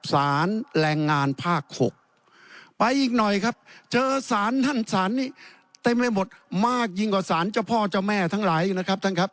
สารแรงงานภาค๖ไปอีกหน่อยครับเจอสารนั่นสารนี้เต็มไปหมดมากยิ่งกว่าสารเจ้าพ่อเจ้าแม่ทั้งหลายอีกนะครับท่านครับ